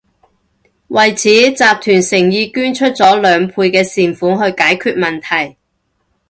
為此，集團誠意捐出咗兩倍嘅善款去解決問題